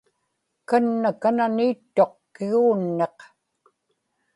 kanna kanani ittuq kiguunniq